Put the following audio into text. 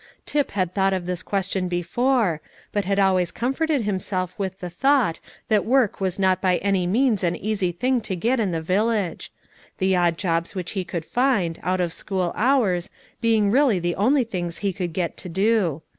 Tip had thought of this question before, but had always comforted himself with the thought that work was not by any means an easy thing to get in the village; the odd jobs which he could find, out of school hours, being really the only things he could get to do.